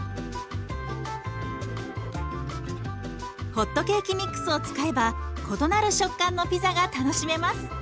ホットケーキミックスを使えば異なる食感のピザが楽しめます。